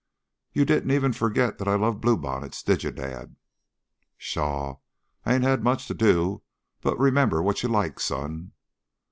"You didn't even forget that I love bluebonnets, did you, dad?" "Pshaw! I 'ain't had much to do but remember what you like, son."